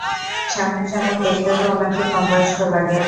সামনাসামনি দেখতে তো উনাকে কমবয়স্ক লাগে!